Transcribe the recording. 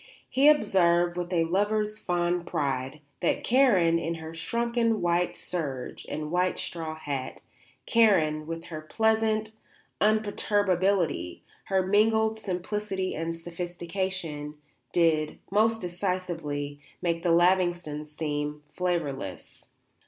He observed, with a lover's fond pride, that Karen, in her shrunken white serge and white straw hat, Karen, with her pleasant imperturbability, her mingled simplicity and sophistication, did, most decisively, make the Lavingtons seem flavourless.